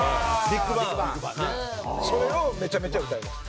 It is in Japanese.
それをめちゃめちゃ歌います。